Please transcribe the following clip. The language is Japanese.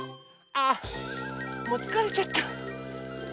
あもうつかれちゃった。